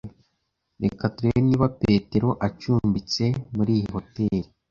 Reka turebe niba Petero acumbitse muri iyi hoteri.